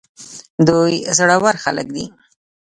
دوی زړه ور خلک دي.